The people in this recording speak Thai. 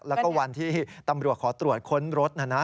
แล้วก็วันที่ตำรวจขอตรวจค้นรถนะนะ